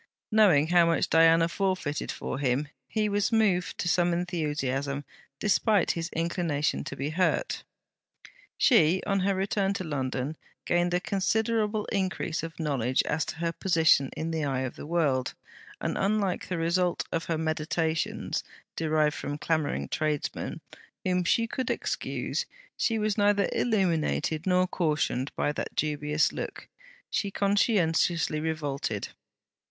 Knowing how much Diana forfeited for him, he was moved to some enthusiasm, despite his inclination to be hurt. She, on her return to London, gained a considerable increase of knowledge as to her position in the eye of the world; and unlike the result of her meditations derived from the clamouring tradesmen, whom she could excuse, she was neither illuminated nor cautioned by that dubious look; she conscientiously revolted.